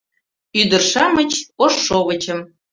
Ӱдыр-шамыч, ош шовычым